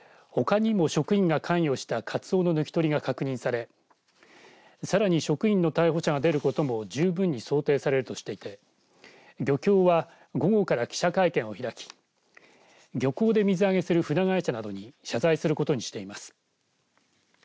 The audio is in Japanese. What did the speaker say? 報告書ではほかにも職員が関与したカツオの抜き取りが確認されさらに職員の逮捕者が出ることも十分に想定されるとしていて漁協は午後から記者会見を開き漁港で水揚げされる船会社などに謝罪することにしています。